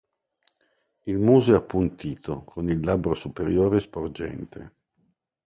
Il muso è appuntito, con il labbro superiore sporgente.